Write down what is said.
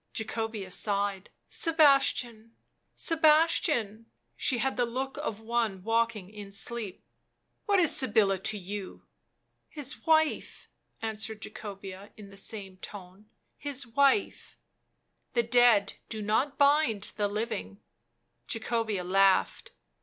Jacobea sighed. " Sebastian ! Sebastian !" She had the look of one walking in sleep. "What is Sybilla to you?" " His wife," answered Jacobea in the same tone ;" his wife." " The dead do not bind the living." Jacobea laughed.